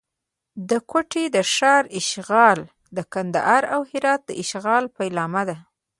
د کوټې د ښار اشغال د کندهار او هرات د اشغال پیلامه ده.